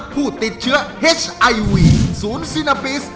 ผู้ติดเจ้าเหฮชไอวีศูนย์สีนาปีศ